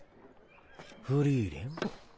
フリーレン？